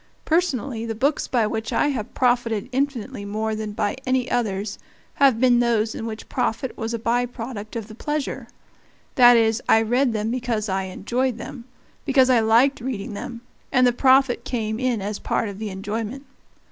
Personally the books by which I have profited infinitely more than by any others have been those in which profit was a by product of the pleasure; that is, I read them because I enjoyed them, because I liked reading them, and the profit came in as part of the enjoyment.